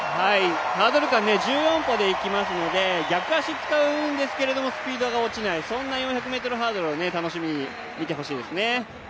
ハードル間１４歩でいきますので逆足使うんですけど、スピードが落ちない、そんな４００ｍハードルを楽しみに見てほしいですね。